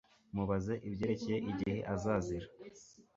Mubaze ibyerekeye igihe azazira